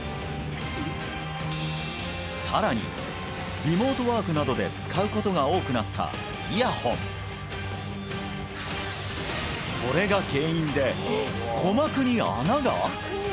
さらにリモートワークなどで使うことが多くなったイヤホンそれが原因で鼓膜に穴が！？